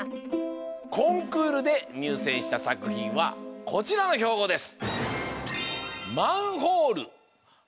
コンクールでにゅうせんしたさくひんはこちらのひょうごです。